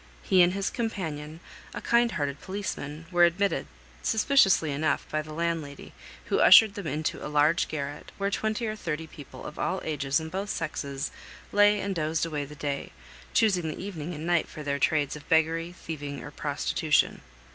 He and his companion, a kind hearted policeman, were admitted, suspiciously enough, by the landlady, who ushered them into a large garret where twenty or thirty people of all ages and both sexes lay and dozed away the day, choosing the evening and night for their trades of beggary, thieving, or prostitution.